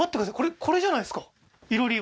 これじゃないですか？